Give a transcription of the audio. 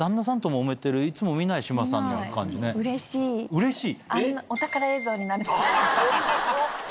うれしい？